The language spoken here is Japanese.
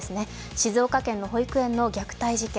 静岡県の保育園の虐待事件。